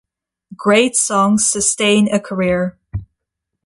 Great songs sustain a career.